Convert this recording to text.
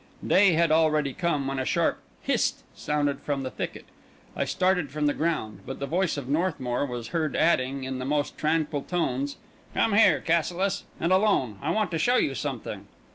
Day had already come, when a sharp "Hist!" sounded from the thicket. I started from the ground; but the voice of Northmour was heard adding, in the most tranquil tones: "Come here, Cassilis, and alone; I want to show you something."